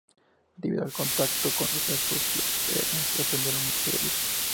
Debido al contacto con los elfos, los Ents aprendieron mucho de ellos.